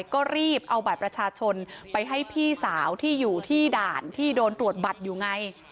ก็รีบเอาบัตรประชาชนไปให้พี่สาวที่อยู่ที่ด่านที่โดนตรวจบัตรอยู่ไง